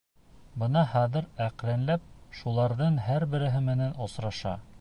Бына хәҙер әкренләп шуларҙың һәр береһе менән осраша.